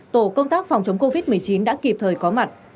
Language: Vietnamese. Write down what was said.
tổ công tác phòng chống covid một mươi chín đã kịp thời có mặt